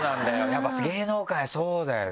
やっぱ芸能界はそうだよね。